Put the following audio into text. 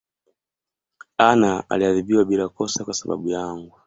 Anna aliadhibiwa bila kosa kwasababu yangu